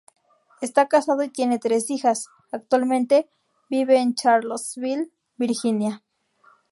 Esta casado y tiene tres hijas; actualmente vive en Charlottesville, Virginia.